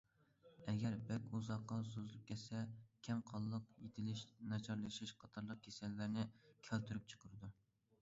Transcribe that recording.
ئەگەر بەك ئۇزاققا سوزۇلۇپ كەتسە، كەم قانلىق، يېتىلىش ناچارلىشىش قاتارلىق كېسەللەرنى كەلتۈرۈپ چىقىرىدۇ.